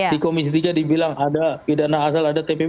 di komisi tiga dibilang ada pidana asal ada tppu